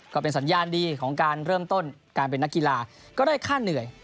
ก็เป็นสัญญาณดีของการเริ่มต้นการเป็นนักกีฬาก็ได้ค่าเหนื่อย